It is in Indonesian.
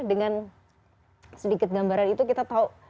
dengan sedikit gambaran itu kita tahu